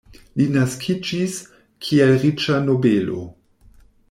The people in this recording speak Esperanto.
Li naskiĝis, kiel riĉa nobelo.